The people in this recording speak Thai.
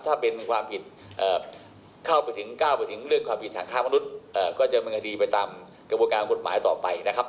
ถ้าเป็นความผิดเข้าไปถึงก้าวไปถึงเรื่องความผิดฐานค้ามนุษย์ก็จะดำเนินคดีไปตามกระบวนการกฎหมายต่อไปนะครับ